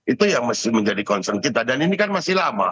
itu yang menjadi concern kita dan ini kan masih lama